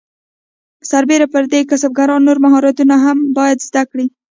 سربیره پر دې کسبګران نور مهارتونه هم باید زده کړي.